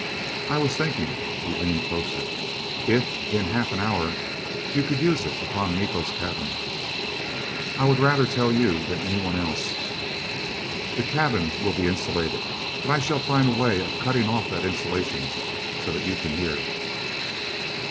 "I was thinking...." He leaned closer. "If, in half an hour, you could use it upon Miko's cabin I would rather tell you than anyone else. The cabin will be insulated, but I shall find a way of cutting off that insulation so that you can hear."